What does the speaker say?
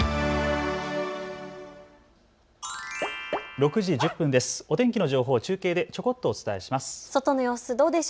６時１０分です。